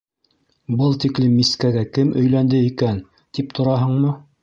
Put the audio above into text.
Был тиклем мискәгә кем өйләнде икән, тип, тораһыңмы?